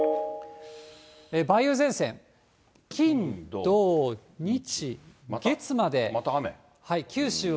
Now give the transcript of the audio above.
梅雨前線、金、土、日、また雨？